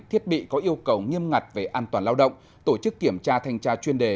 thiết bị có yêu cầu nghiêm ngặt về an toàn lao động tổ chức kiểm tra thanh tra chuyên đề